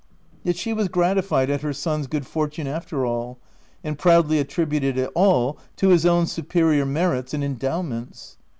Yet she was gratified at her son's good fortune after all, and proudly attributed it all to his own superior merits and endow OF WILDFELL HALL. 341 ments.